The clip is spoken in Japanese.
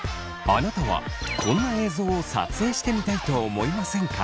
あなたはこんな映像を撮影してみたいと思いませんか？